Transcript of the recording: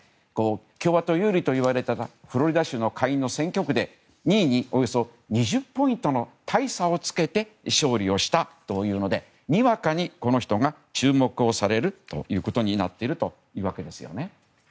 共和党有利と言われたフロリダ州の下院の選挙区で２位におよそ２０ポイントの大差をつけて勝利をしたというのでにわかにこの人が注目をされるということになっているというわけですよね。